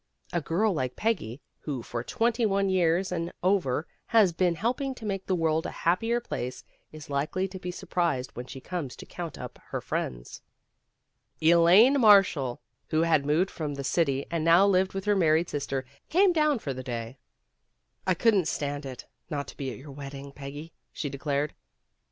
A girl like Peggy, who for twenty one years and over has been helping to make the world a happier place, is likely to be surprised when she comes to count up her friends. Elaine Marshall, who had moved from the city and now lived with her married sister, came down for the day. "I couldn't stand it, not to be at your wedding, Peggy," she declared.